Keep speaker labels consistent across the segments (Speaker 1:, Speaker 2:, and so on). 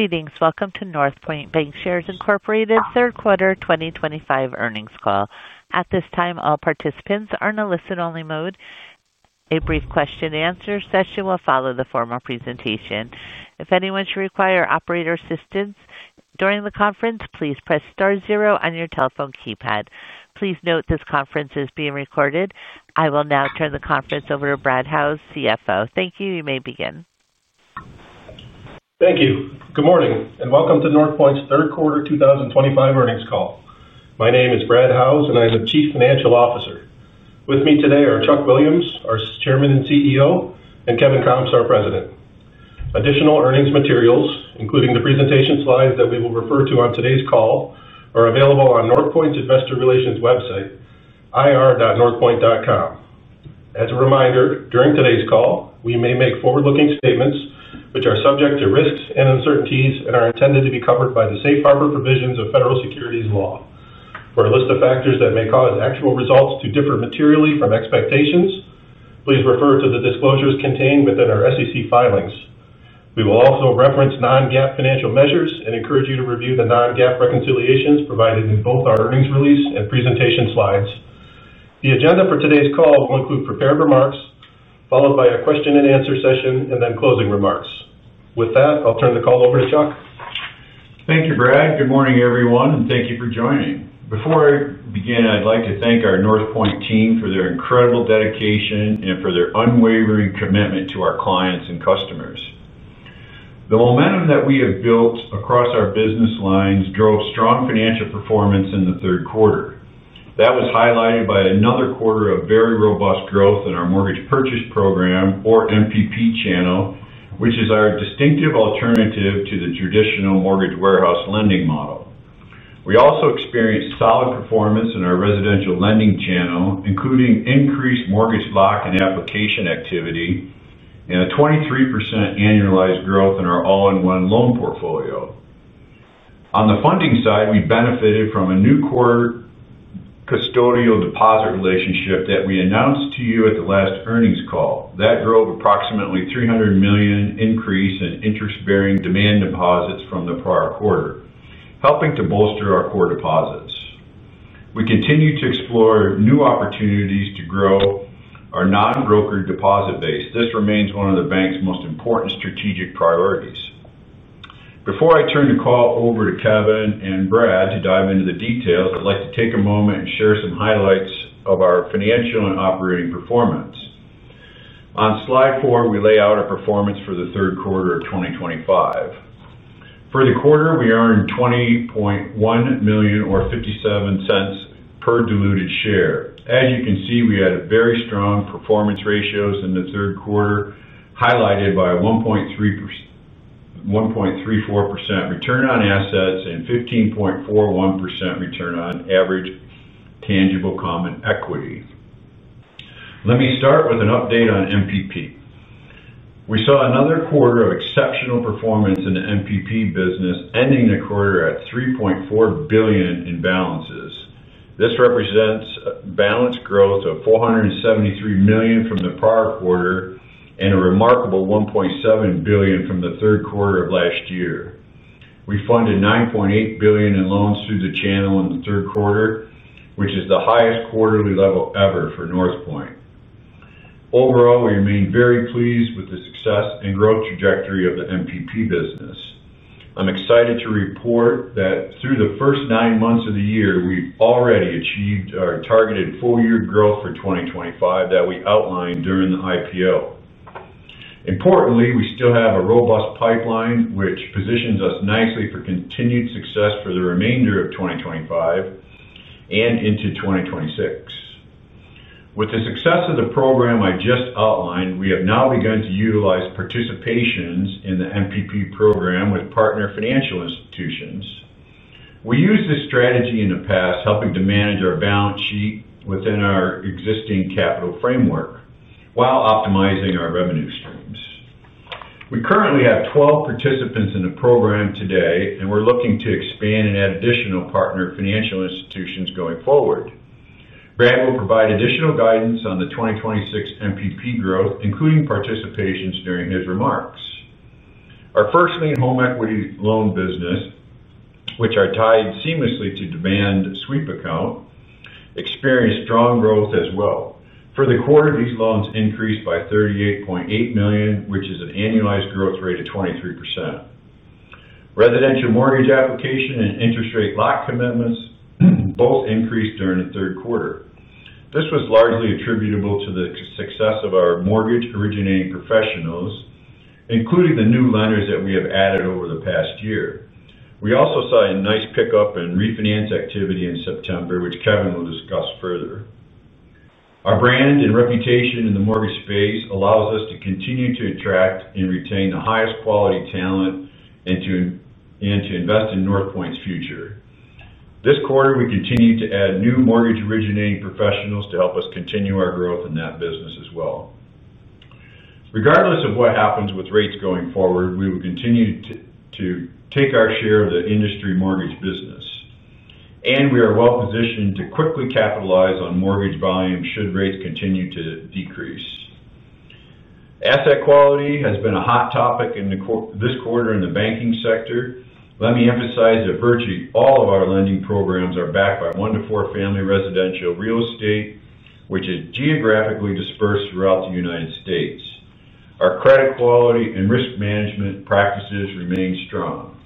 Speaker 1: Greetings. Welcome to Northpointe Bancshares, Inc.'s third quarter 2025 earnings call. At this time, all participants are in a listen-only mode. A brief question and answer session will follow the formal presentation. If anyone should require operator assistance during the conference, please press star zero on your telephone keypad. Please note this conference is being recorded. I will now turn the conference over to Brad Howes, CFO. Thank you. You may begin.
Speaker 2: Thank you. Good morning, and welcome to Northpointe's third quarter 2025 earnings call. My name is Brad Howes, and I am the Chief Financial Officer. With me today are Chuck Williams, our Chairman and CEO, and Kevin Comps, our President. Additional earnings materials, including the presentation slides that we will refer to on today's call, are available on Northpointe's investor relations website, ir.northpointe.com. As a reminder, during today's call, we may make forward-looking statements, which are subject to risks and uncertainties and are intended to be covered by the safe harbor provisions of Federal Securities Law. For a list of factors that may cause actual results to differ materially from expectations, please refer to the disclosures contained within our SEC filings. We will also reference non-GAAP financial measures and encourage you to review the non-GAAP reconciliations provided in both our earnings release and presentation slides. The agenda for today's call will include prepared remarks, followed by a question and answer session, and then closing remarks. With that, I'll turn the call over to Chuck.
Speaker 3: Thank you, Brad. Good morning, everyone, and thank you for joining. Before I begin, I'd like to thank our Northpointe team for their incredible dedication and for their unwavering commitment to our clients and customers. The momentum that we have built across our business lines drove strong financial performance in the third quarter. That was highlighted by another quarter of very robust growth in our Mortgage Purchase Program, or MPP channel, which is our distinctive alternative to the traditional mortgage warehouse lending model. We also experienced solid performance in our residential lending channel, including increased mortgage lock and application activity, and a 23% annualized growth in our all-in-one loan portfolio. On the funding side, we benefited from a new core custodial deposit relationship that we announced to you at the last earnings call. That drove approximately a $300 million increase in interest-bearing demand deposits from the prior quarter, helping to bolster our core deposits. We continue to explore new opportunities to grow our non-brokered deposit base. This remains one of the bank's most important strategic priorities. Before I turn the call over to Kevin and Brad to dive into the details, I'd like to take a moment and share some highlights of our financial and operating performance. On slide four, we lay out our performance for the third quarter of 2025. For the quarter, we earned $20.1 million or $0.57 per diluted share. As you can see, we had very strong performance ratios in the third quarter, highlighted by a 1.34% return on assets and a 15.41% return on average tangible common equity. Let me start with an update on MPP. We saw another quarter of exceptional performance in the MPP business, ending the quarter at $3.4 billion in balances. This represents a balance growth of $473 million from the prior quarter and a remarkable $1.7 billion from the third quarter of last year. We funded $9.8 billion in loans through the channel in the third quarter, which is the highest quarterly level ever for Northpointe. Overall, we remain very pleased with the success and growth trajectory of the MPP business. I'm excited to report that through the first nine months of the year, we've already achieved our targeted full-year growth for 2025 that we outlined during the IPO. Importantly, we still have a robust pipeline, which positions us nicely for continued success for the remainder of 2025 and into 2026. With the success of the program I just outlined, we have now begun to utilize participations in the MPP program with partner financial institutions. We used this strategy in the past, helping to manage our balance sheet within our existing capital framework while optimizing our revenue streams. We currently have 12 participants in the program today, and we're looking to expand and add additional partner financial institutions going forward. Brad will provide additional guidance on the 2026 MPP growth, including participations during his remarks. Our first main home equity loan business, which are tied seamlessly to demand sweep account, experienced strong growth as well. For the quarter, these loans increased by $38.8 million, which is an annualized growth rate of 23%. Residential mortgage application and interest rate lock commitments both increased during the third quarter. This was largely attributable to the success of our mortgage-originating professionals, including the new lenders that we have added over the past year. We also saw a nice pickup in refinance activity in September, which Kevin will discuss further. Our brand and reputation in the mortgage space allow us to continue to attract and retain the highest quality talent and to invest in Northpointe's future. This quarter, we continue to add new mortgage-originating professionals to help us continue our growth in that business as well. Regardless of what happens with rates going forward, we will continue to take our share of the industry mortgage business, and we are well positioned to quickly capitalize on mortgage volume should rates continue to decrease. Asset quality has been a hot topic in this quarter in the banking sector. Let me emphasize that virtually all of our lending programs are backed by one to four family residential real estate, which is geographically dispersed throughout the United States. Our credit quality and risk management practices remain strong.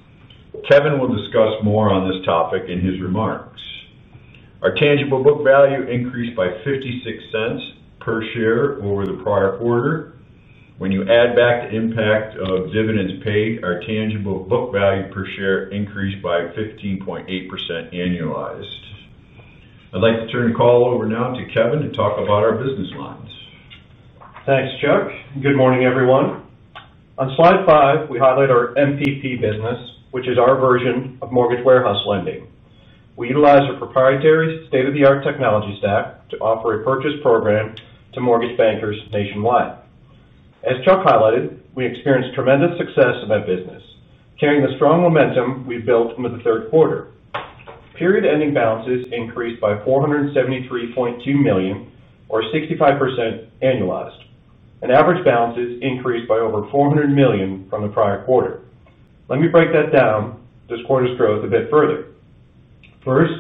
Speaker 3: Kevin will discuss more on this topic in his remarks. Our tangible book value increased by $0.56 per share over the prior quarter. When you add back the impact of dividends paid, our tangible book value per share increased by 15.8% annualized. I'd like to turn the call over now to Kevin to talk about our business lines.
Speaker 4: Thanks, Chuck. Good morning, everyone. On slide five, we highlight our MPP business, which is our version of mortgage warehouse lending. We utilize our proprietary state-of-the-art technology stack to offer a purchase program to mortgage bankers nationwide. As Chuck highlighted, we experienced tremendous success in that business, carrying the strong momentum we've built from the third quarter. Period-ending balances increased by $473.2 million or 65% annualized, and average balances increased by over $400 million from the prior quarter. Let me break that down, this quarter's growth, a bit further. First,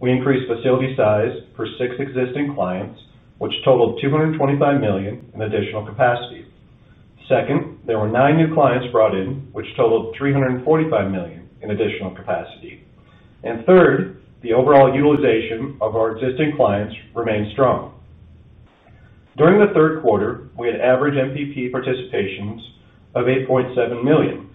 Speaker 4: we increased facility size for six existing clients, which totaled $225 million in additional capacity. Second, there were nine new clients brought in, which totaled $345 million in additional capacity. Third, the overall utilization of our existing clients remains strong. During the third quarter, we had average MPP participations of $8.7 million.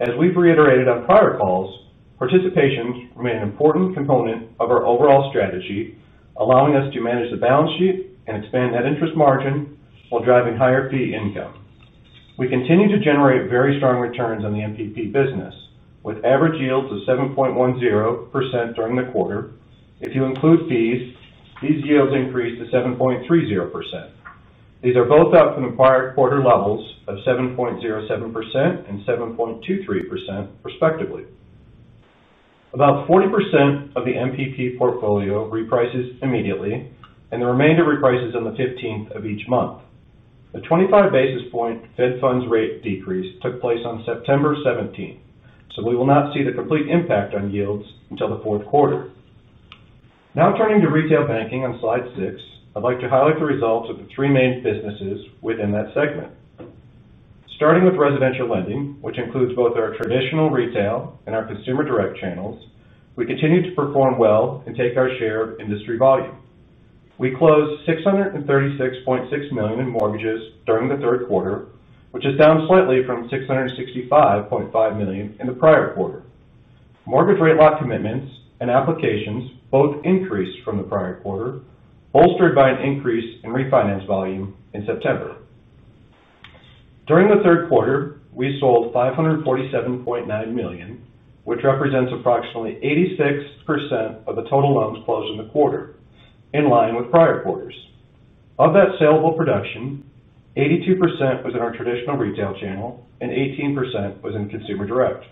Speaker 4: As we've reiterated on prior calls, participations remain an important component of our overall strategy, allowing us to manage the balance sheet and expand that interest margin while driving higher fee income. We continue to generate very strong returns on the MPP business, with average yields of 7.10% during the quarter. If you include fees, these yields increased to 7.30%. These are both up from the prior quarter levels of 7.07% and 7.23%, respectively. About 40% of the MPP portfolio reprices immediately, and the remainder reprices on the 15th of each month. The 25 basis point Fed Funds rate decrease took place on September 17th, so we will not see the complete impact on yields until the fourth quarter. Now turning to retail banking on slide six, I'd like to highlight the results of the three main businesses within that segment. Starting with residential lending, which includes both our traditional retail and our consumer direct channels, we continue to perform well and take our share of industry volume. We closed $636.6 million in mortgages during the third quarter, which is down slightly from $665.5 million in the prior quarter. Mortgage rate lock commitments and applications both increased from the prior quarter, bolstered by an increase in refinance volume in September. During the third quarter, we sold $547.9 million, which represents approximately 86% of the total loans closed in the quarter, in line with prior quarters. Of that salable production, 82% was in our traditional retail channel and 18% was in consumer direct.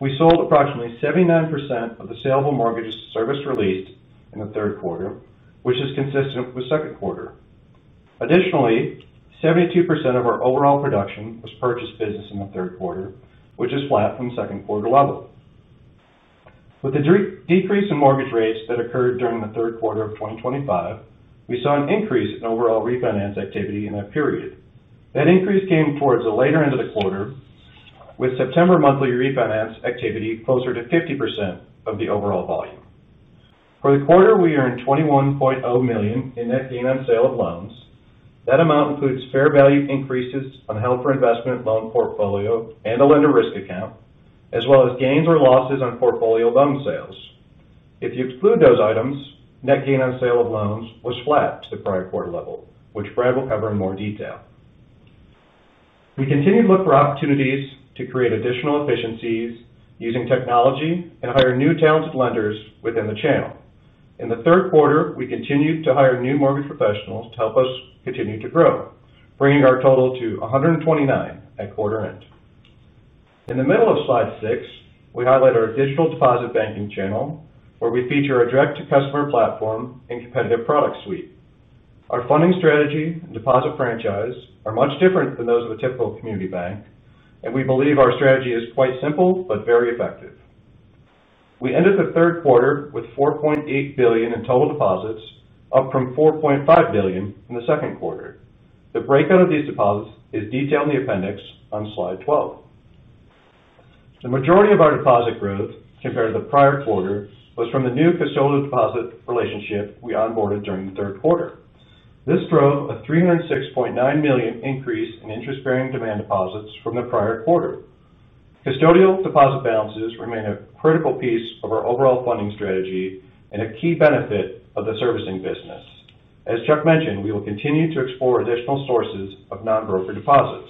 Speaker 4: We sold approximately 79% of the salable mortgages service released in the third quarter, which is consistent with the second quarter. Additionally, 72% of our overall production was purchased business in the third quarter, which is flat from the second quarter level. With the decrease in mortgage rates that occurred during the third quarter of 2025, we saw an increase in overall refinance activity in that period. That increase came towards the later end of the quarter, with September monthly refinance activity closer to 50% of the overall volume. For the quarter, we earned $21.0 million in net gain on sale of loans. That amount includes fair value increases on the health reinvestment loan portfolio and the lender risk account, as well as gains or losses on portfolio loan sales. If you exclude those items, net gain on sale of loans was flat to the prior quarter level, which Brad will cover in more detail. We continue to look for opportunities to create additional efficiencies using technology and hire new talented lenders within the channel. In the third quarter, we continued to hire new mortgage professionals to help us continue to grow, bringing our total to 129 at quarter end. In the middle of slide six, we highlight our digital deposit banking channel, where we feature a direct-to-customer platform and competitive product suite. Our funding strategy and deposit franchise are much different than those of a typical community bank, and we believe our strategy is quite simple but very effective. We ended the third quarter with $4.8 billion in total deposits, up from $4.5 billion in the second quarter. The breakout of these deposits is detailed in the appendix on slide 12. The majority of our deposit growth compared to the prior quarter was from the new custodial deposit relationship we onboarded during the third quarter. This drove a $306.9 million increase in interest-bearing demand deposits from the prior quarter. Custodial deposit balances remain a critical piece of our overall funding strategy and a key benefit of the servicing business. As Chuck mentioned, we will continue to explore additional sources of non-brokered deposits.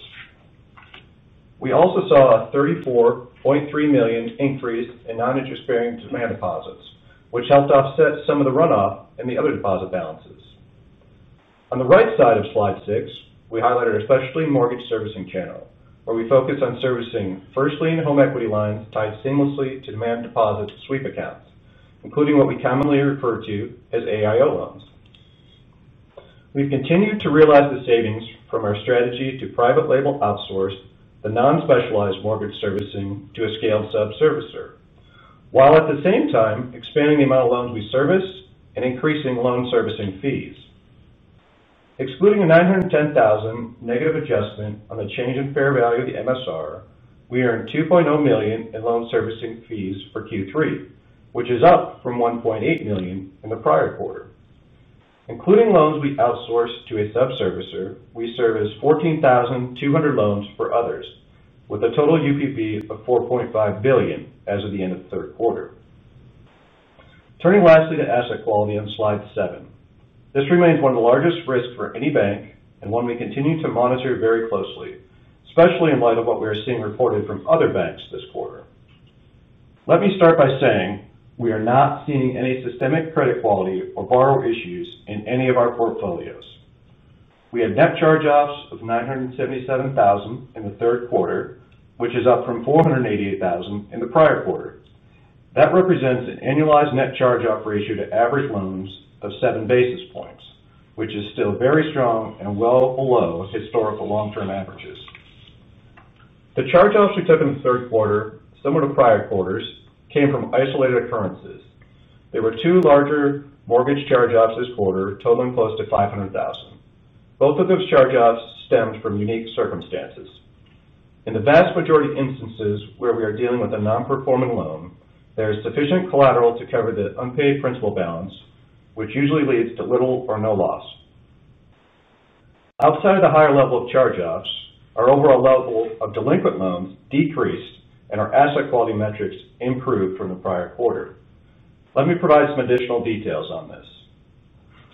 Speaker 4: We also saw a $34.3 million increase in non-interest-bearing demand deposits, which helped offset some of the runoff in the other deposit balances. On the right side of slide six, we highlighted our specialty mortgage servicing channel, where we focus on servicing first lien home equity lines tied seamlessly to demand deposit sweep accounts, including what we commonly refer to as AIO loans. We've continued to realize the savings from our strategy to private-label outsource the non-specialized mortgage servicing to a scaled sub-servicer, while at the same time expanding the amount of loans we service and increasing loan servicing fees. Excluding a $910,000 negative adjustment on the change in fair value of the MSR, we earned $2.0 million in loan servicing fees for Q3, which is up from $1.8 million in the prior quarter. Including loans we outsource to a sub-servicer, we service 14,200 loans for others, with a total UPV of $4.5 billion as of the end of the third quarter. Turning lastly to asset quality on slide seven, this remains one of the largest risks for any bank and one we continue to monitor very closely, especially in light of what we are seeing reported from other banks this quarter. Let me start by saying we are not seeing any systemic credit quality or borrower issues in any of our portfolios. We had net charge-offs of $977,000 in the third quarter, which is up from $488,000 in the prior quarter. That represents an annualized net charge-off ratio to average loans of 7 basis points, which is still very strong and well below historical long-term averages. The charge-offs we took in the third quarter, similar to prior quarters, came from isolated occurrences. There were two larger mortgage charge-offs this quarter, totaling close to $500,000. Both of those charge-offs stemmed from unique circumstances. In the vast majority of instances where we are dealing with a non-performing loan, there is sufficient collateral to cover the unpaid principal balance, which usually leads to little or no loss. Outside of the higher level of charge-offs, our overall level of delinquent loans decreased and our asset quality metrics improved from the prior quarter. Let me provide some additional details on this.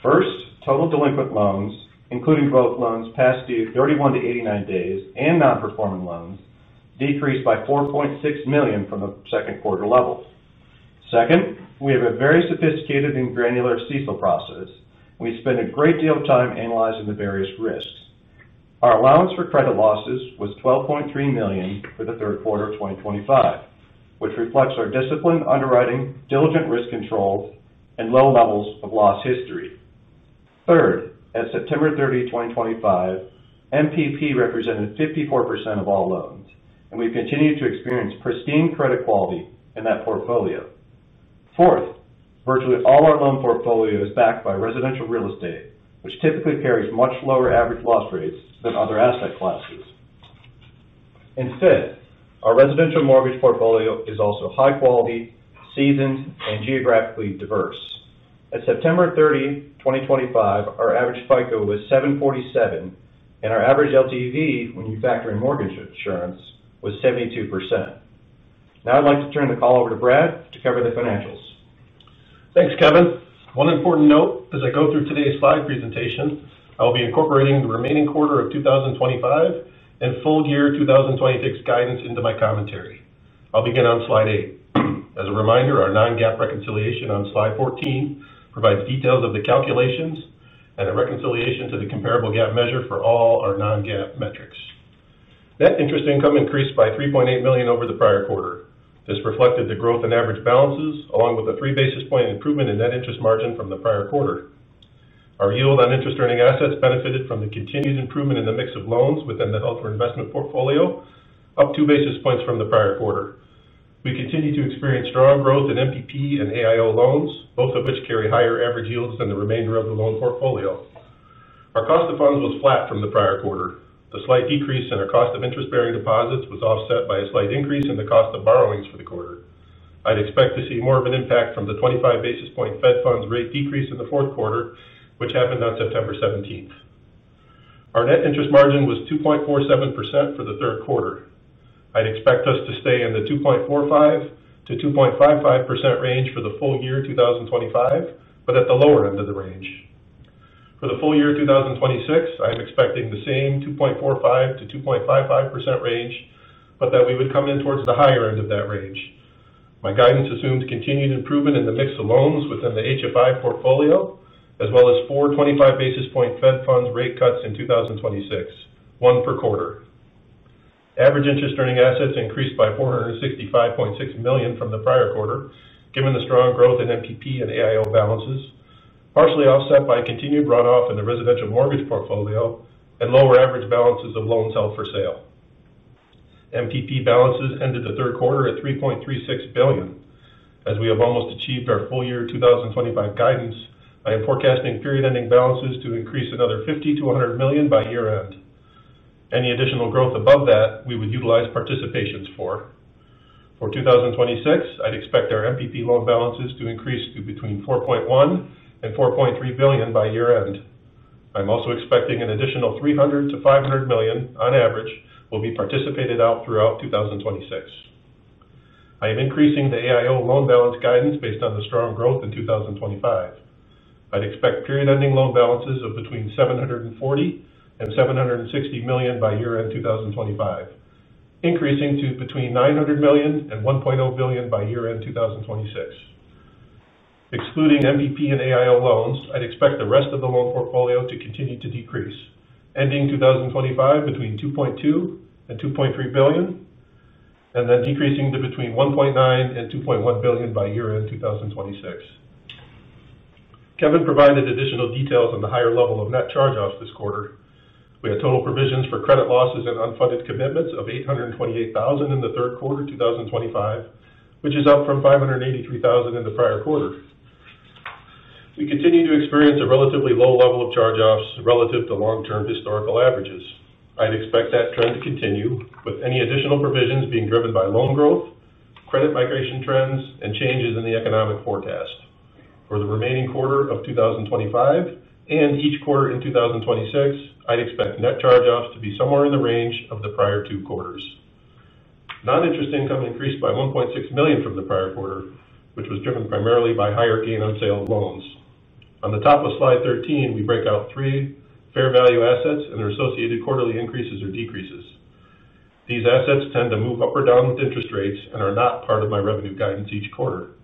Speaker 4: First, total delinquent loans, including both loans past the 31-89 days and non-performing loans, decreased by $4.6 million from the second quarter level. Second, we have a very sophisticated and granular CISL process. We spend a great deal of time analyzing the various risks. Our allowance for credit losses was $12.3 million for the third quarter of 2025, which reflects our disciplined underwriting, diligent risk controls, and low levels of loss history. Third, at September 30, 2025, MPP represented 54% of all loans, and we've continued to experience pristine credit quality in that portfolio. Fourth, virtually all our loan portfolio is backed by residential real estate, which typically carries much lower average loss rates than other asset classes. Fifth, our residential mortgage portfolio is also high quality, seasoned, and geographically diverse. At September 30, 2025, our average FICO was 747, and our average LTV, when you factor in mortgage insurance, was 72%. Now I'd like to turn the call over to Brad to cover the financials.
Speaker 2: Thanks, Kevin. One important note, as I go through today's slide presentation, I will be incorporating the remaining quarter of 2025 and full-year 2026 guidance into my commentary. I'll begin on slide eight. As a reminder, our non-GAAP reconciliation on slide 14 provides details of the calculations and a reconciliation to the comparable GAAP measure for all our non-GAAP metrics. Net interest income increased by $3.8 million over the prior quarter. This reflected the growth in average balances, along with a 3 basis point improvement in net interest margin from the prior quarter. Our yield on interest-earning assets benefited from the continued improvement in the mix of loans within the held for investment portfolio, up 2 basis points from the prior quarter. We continue to experience strong growth in MPP and all-in-one loans, both of which carry higher average yields than the remainder of the loan portfolio. Our cost of funds was flat from the prior quarter. The slight decrease in our cost of interest-bearing deposits was offset by a slight increase in the cost of borrowings for the quarter. I'd expect to see more of an impact from the 25 basis point Fed Funds rate decrease in the fourth quarter, which happened on September 17th. Our net interest margin was 2.47% for the third quarter. I'd expect us to stay in the 2.45%-2.55% range for the full-year 2025, but at the lower end of the range. For the full-year 2026, I'm expecting the same 2.45%-2.55% range, but that we would come in towards the higher end of that range. My guidance assumes continued improvement in the mix of loans within the held for investment portfolio, as well as four 25 basis point Fed Funds rate cuts in 2026, one per quarter. Average interest-earning assets increased by $465.6 million from the prior quarter, given the strong growth in MPP and all-in-one balances, partially offset by continued runoff in the residential mortgage portfolio and lower average balances of loans held for sale. MPP balances ended the third quarter at $3.36 billion. As we have almost achieved our full-year 2025 guidance, I am forecasting period-ending balances to increase another $50 million-$100 million by year-end. Any additional growth above that, we would utilize participations for. For 2026, I'd expect our MPP loan balances to increase to between $4.1 and $4.3 billion by year-end. I'm also expecting an additional $300 million-$500 million on average will be participated out throughout 2026. I am increasing the AIO loan balance guidance based on the strong growth in 2025. I'd expect period-ending loan balances of between $740 million and $760 million by year-end 2025, increasing to between $900 million and $1.0 billion by year-end 2026. Excluding MPP and AIO loans, I'd expect the rest of the loan portfolio to continue to decrease, ending 2025 between $2.2 billion and $2.3 billion, and then decreasing to between $1.9 billion and $2.1 billion by year-end 2026. Kevin provided additional details on the higher level of net charge-offs this quarter. We had total provisions for credit losses and unfunded commitments of $828,000 in the third quarter of 2025, which is up from $583,000 in the prior quarter. We continue to experience a relatively low level of charge-offs relative to long-term historical averages. I'd expect that trend to continue with any additional provisions being driven by loan growth, credit migration trends, and changes in the economic forecast. For the remaining quarter of 2025 and each quarter in 2026, I'd expect net charge-offs to be somewhere in the range of the prior two quarters. Non-interest income increased by $1.6 million from the prior quarter, which was driven primarily by higher gain-on-sale loans. On the top of slide 13, we break out three fair value assets and their associated quarterly increases or decreases. These assets tend to move up or down with interest rates and are not part of my revenue guidance each quarter.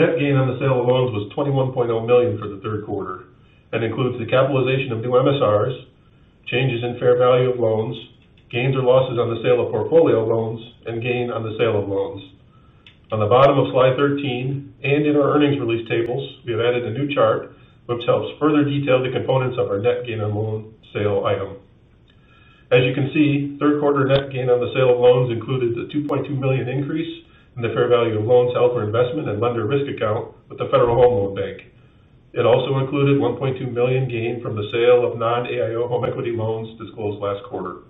Speaker 2: Net gain on the sale of loans was $21.0 million for the third quarter and includes the capitalization of new MSRs, changes in fair value of loans, gains or losses on the sale of portfolio loans, and gain on the sale of loans. On the bottom of slide 13 and in our earnings release tables, we have added a new chart which helps further detail the components of our net gain on loan sale item. As you can see, third quarter net gain on the sale of loans included the $2.2 million increase in the fair value of loans held for investment and lender risk account with the Federal Home Loan Bank. It also included $1.2 million gain from the sale of non-AIO home equity loans disclosed last quarter.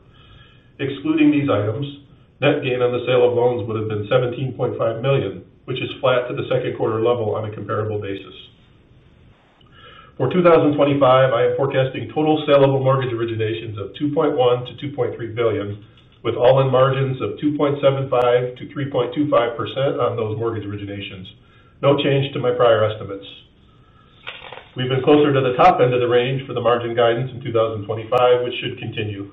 Speaker 2: Excluding these items, net gain on the sale of loans would have been $17.5 million, which is flat to the second quarter level on a comparable basis. For 2025, I am forecasting total saleable mortgage originations of $2.1 billion-$2.3 billion, with all-in margins of 2.75%-3.25% on those mortgage originations. No change to my prior estimates. We've been closer to the top end of the range for the margin guidance in 2025, which should continue.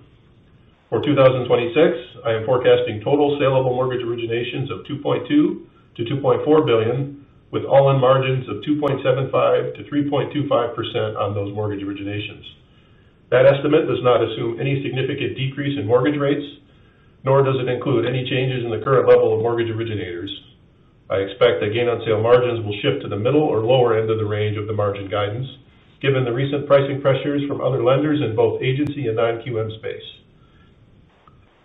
Speaker 2: For 2026, I am forecasting total saleable mortgage originations of $2.2 billion-$2.4 billion, with all-in margins of 2.75%-3.25% on those mortgage originations. That estimate does not assume any significant decrease in mortgage rates, nor does it include any changes in the current level of mortgage originators. I expect that gain-on-sale margins will shift to the middle or lower end of the range of the margin guidance, given the recent pricing pressures from other lenders in both agency and non-QM space.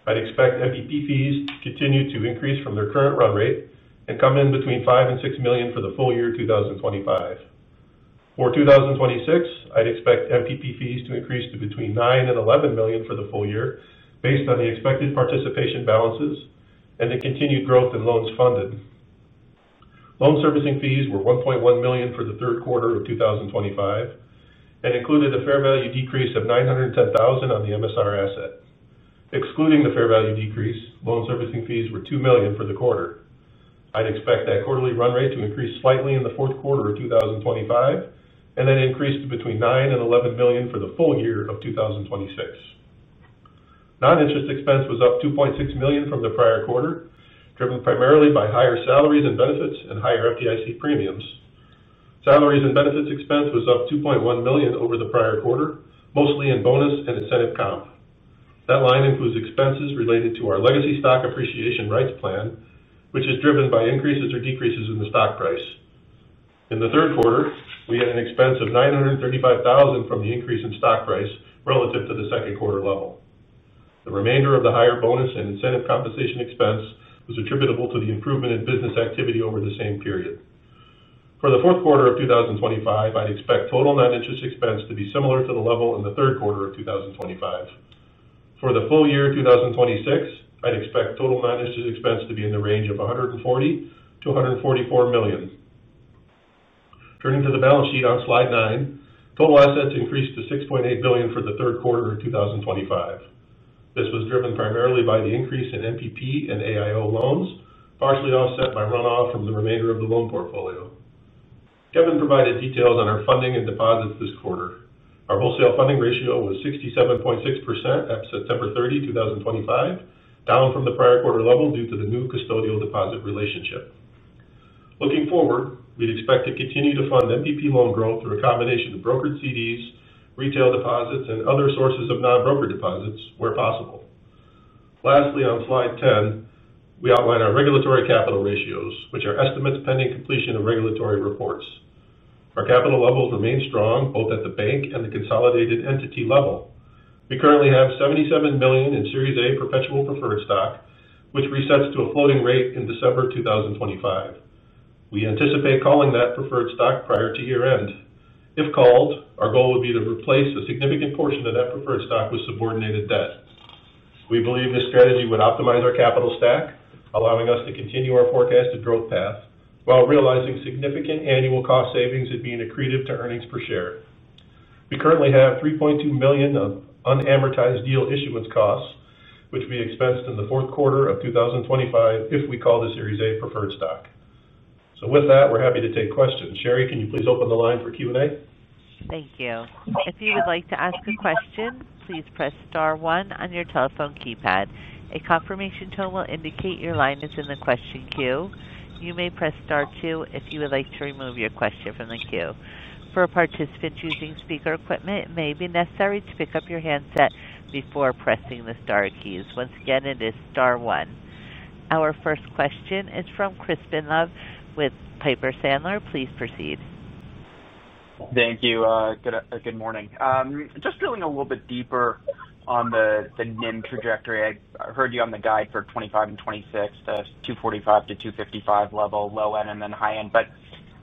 Speaker 2: I expect MPP fees to continue to increase from their current run rate and come in between $5 and $6 million for the full year 2025. For 2026, I expect MPP fees to increase to between $9 and $11 million for the full year, based on the expected participation balances and the continued growth in loans funded. Loan servicing fees were $1.1 million for the third quarter of 2025 and included a fair value decrease of $910,000 on the MSR asset. Excluding the fair value decrease, loan servicing fees were $2 million for the quarter. I expect that quarterly run rate to increase slightly in the fourth quarter of 2025 and then increase to between $9 and $11 million for the full year of 2026. Non-interest expense was up $2.6 million from the prior quarter, driven primarily by higher salaries and benefits and higher FDIC premiums. Salaries and benefits expense was up $2.1 million over the prior quarter, mostly in bonus and incentive comp. That line includes expenses related to our legacy stock appreciation rights plan, which is driven by increases or decreases in the stock price. In the third quarter, we had an expense of $935,000 from the increase in stock price relative to the second quarter level. The remainder of the higher bonus and incentive compensation expense was attributable to the improvement in business activity over the same period. For the fourth quarter of 2025, I expect total non-interest expense to be similar to the level in the third quarter of 2025. For the full year of 2026, I expect total non-interest expense to be in the range of $140 million-$144 million. Turning to the balance sheet on slide nine, total assets increased to $6.8 billion for the third quarter of 2025. This was driven primarily by the increase in MPP and AIO loans, partially offset by runoff from the remainder of the loan portfolio. Kevin provided details on our funding and deposits this quarter. Our wholesale funding ratio was 67.6% at September 30, 2025, down from the prior quarter level due to the new core custodial deposit relationship. Looking forward, we'd expect to continue to fund MPP loan growth through a combination of brokered CDs, retail deposits, and other sources of non-brokered deposits where possible. Lastly, on slide 10, we outline our regulatory capital ratios, which are estimates pending completion of regulatory reports. Our capital levels remain strong both at the bank and the consolidated entity level. We currently have $77 million in Series A perpetual preferred stock, which resets to a floating rate in December 2025. We anticipate calling that preferred stock prior to year-end. If called, our goal would be to replace a significant portion of that preferred stock with subordinated debt. We believe this strategy would optimize our capital stack, allowing us to continue our forecasted growth path while realizing significant annual cost savings and being accretive to earnings per share. We currently have $3.2 million of unamortized deal issuance costs, which we would expense in the fourth quarter of 2025 if we call the Series A preferred stock. With that, we're happy to take questions. Sherri, can you please open the line for Q&A?
Speaker 1: Thank you. If you would like to ask a question, please press star one on your telephone keypad. A confirmation tone will indicate your line is in the question queue. You may press star two if you would like to remove your question from the queue. For participants using speaker equipment, it may be necessary to pick up your handset before pressing the star keys. Once again, it is star one. Our first question is from Chris Binlove with Piper Sandler. Please proceed.
Speaker 5: Thank you. Good morning. Just drilling a little bit deeper on the NIM trajectory, I heard you on the guide for 2025 and 2026 to 2.45%-2.55% level, low end and then high end.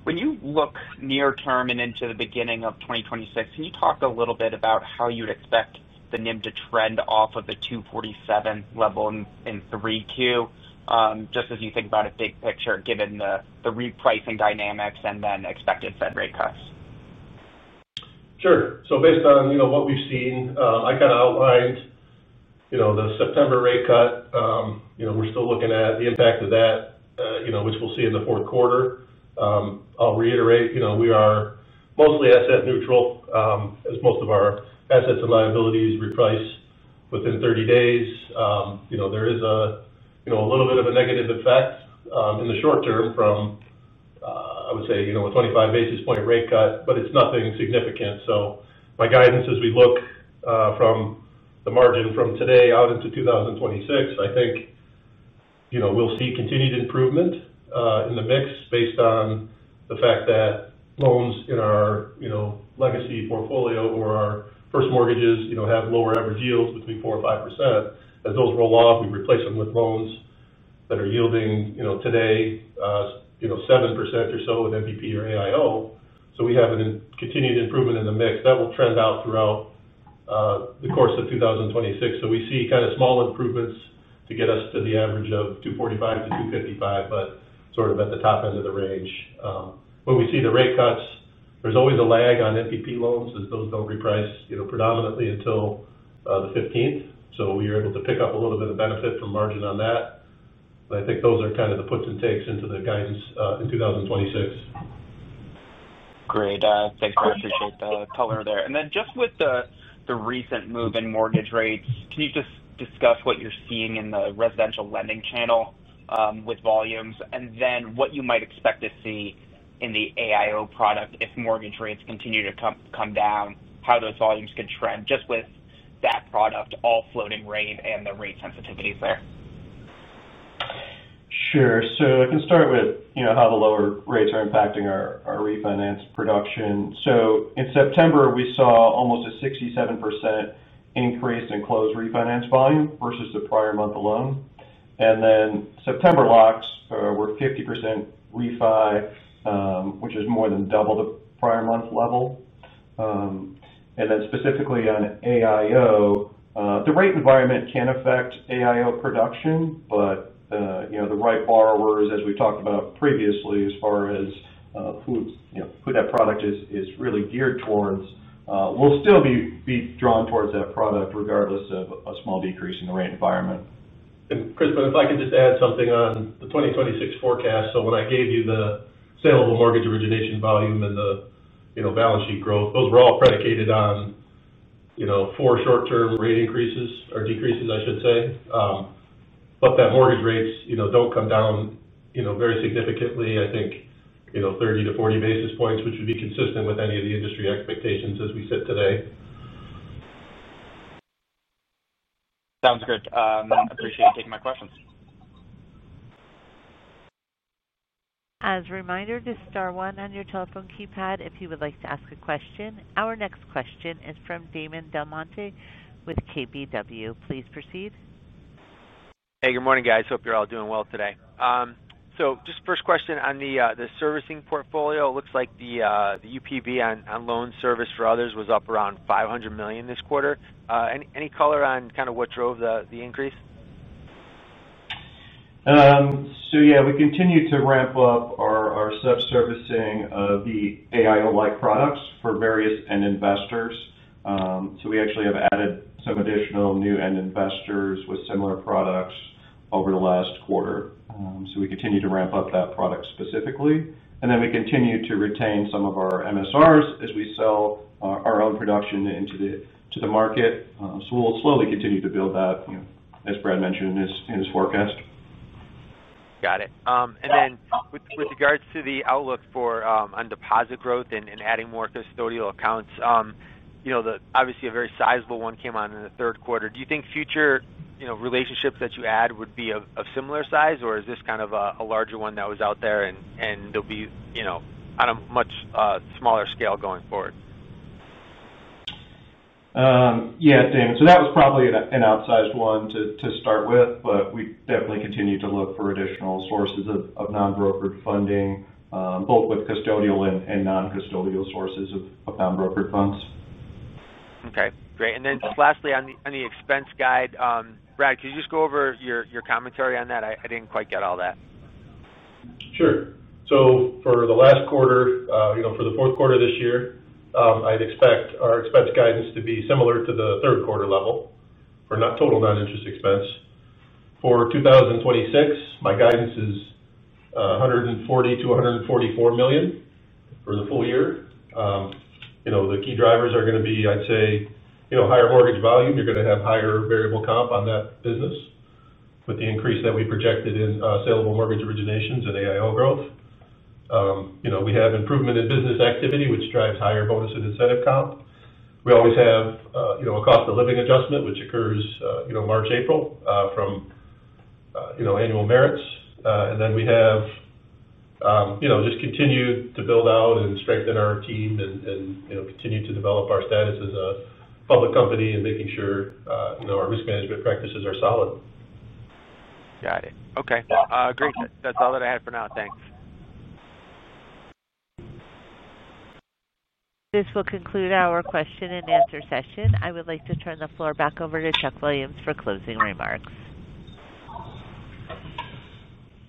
Speaker 5: When you look near term and into the beginning of 2026, can you talk a little bit about how you'd expect the NIM to trend off of the 2.47% level in 3Q, just as you think about a big picture, given the repricing dynamics and then expected Fed rate cuts?
Speaker 2: Sure. Based on what we've seen, I kind of outlined the September rate cut. We're still looking at the impact of that, which we'll see in the fourth quarter. I'll reiterate, we are mostly asset neutral, as most of our assets and liabilities reprice within 30 days. There is a little bit of a negative effect in the short term from, I would say, a 25 basis point rate cut, but it's nothing significant. My guidance is we look from the margin from today out into 2026. I think we'll see continued improvement in the mix based on the fact that loans in our legacy portfolio or our first mortgages have lower average yields between 4% and 5%. As those roll off, we replace them with loans that are yielding today 7% or so in MPP or AIO. We have a continued improvement in the mix that will trend out throughout the course of 2026. We see kind of small improvements to get us to the average of 245-255, but sort of at the top end of the range. When we see the rate cuts, there's always a lag on MPP loans as those don't reprice predominantly until the 15th. We are able to pick up a little bit of benefit from margin on that. I think those are kind of the puts and takes into the guidance in 2026.
Speaker 5: Great. Thanks, I appreciate the color there. With the recent move in mortgage rates, can you just discuss what you're seeing in the residential lending channel with volumes and what you might expect to see in the AIO loan product if mortgage rates continue to come down, how those volumes could trend with that product all floating rate and the rate sensitivities there?
Speaker 2: Sure. I can start with how the lower rates are impacting our refinance production. In September, we saw almost a 67% increase in closed refinance volume versus the prior month alone. September locks were 50% refi, which is more than double the prior month level. Specifically on AIO, the rate environment can affect AIO production, but the right borrowers, as we've talked about previously, as far as who that product is really geared towards, will still be drawn towards that product regardless of a small decrease in the rate environment.
Speaker 4: Chris, if I could just add something on the 2026 forecast. When I gave you the saleable mortgage origination volume and the balance sheet growth, those were all predicated on four short-term rate decreases. That mortgage rates don't come down very significantly. I think 30-40 basis points, which would be consistent with any of the industry expectations as we sit today.
Speaker 5: Sounds good. I appreciate you taking my questions.
Speaker 1: As a reminder, just star one on your telephone keypad if you would like to ask a question. Our next question is from Damon Del Monte with KBW. Please proceed.
Speaker 6: Hey, good morning, guys. Hope you're all doing well today. First question on the servicing portfolio. It looks like the UPV on loans serviced for others was up around $500 million this quarter. Any color on what drove the increase?
Speaker 2: Yeah, we continue to ramp up our sub-servicing of the AIO loan-like products for various end investors. We actually have added some additional new end investors with similar products over the last quarter. We continue to ramp up that product specifically. We continue to retain some of our MSRs as we sell our own production into the market. We'll slowly continue to build that, as Brad Howes mentioned in his forecast.
Speaker 6: Got it. With regards to the outlook for deposit growth and adding more custodial accounts, obviously a very sizable one came on in the third quarter. Do you think future relationships that you add would be of similar size, or is this kind of a larger one that was out there and they'll be on a much smaller scale going forward?
Speaker 2: Yeah, Damon, that was probably an outsized one to start with, but we definitely continue to look for additional sources of non-brokered funding, both with custodial and non-custodial sources of non-brokered funds.
Speaker 6: Okay, great. Lastly, on the expense guide, Brad, could you just go over your commentary on that? I didn't quite get all that.
Speaker 2: Sure. For the last quarter, for the fourth quarter of this year, I'd expect our expense guidance to be similar to the third quarter level for total non-interest expense. For 2026, my guidance is $140 million-$144 million for the full year. The key drivers are going to be, I'd say, higher mortgage volume. You're going to have higher variable comp on that business with the increase that we projected in saleable mortgage originations and AIO growth. We have improvement in business activity, which drives higher bonus and incentive comp. We always have a cost of living adjustment, which occurs March, April, from annual merits. We have just continued to build out and strengthen our team and continue to develop our status as a public company and making sure our risk management practices are solid.
Speaker 6: Got it. Okay. Great. That's all that I had for now. Thanks.
Speaker 1: This will conclude our question and answer session. I would like to turn the floor back over to Chuck Williams for closing remarks.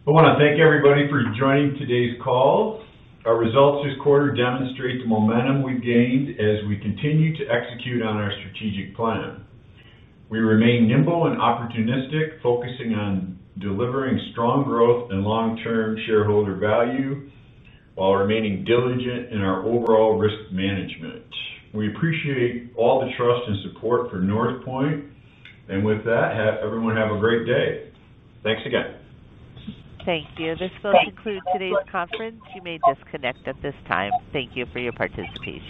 Speaker 3: I want to thank everybody for joining today's call. Our results this quarter demonstrate the momentum we've gained as we continue to execute on our strategic plan. We remain nimble and opportunistic, focusing on delivering strong growth and long-term shareholder value while remaining diligent in our overall risk management. We appreciate all the trust and support from Northpointe, and with that, everyone have a great day. Thanks again.
Speaker 1: Thank you. This will conclude today's conference. You may disconnect at this time. Thank you for your participation.